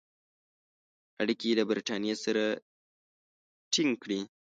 اړیکي له برټانیې سره تینګ کړي.